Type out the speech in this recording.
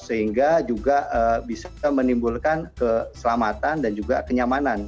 sehingga juga bisa menimbulkan keselamatan dan juga kenyamanan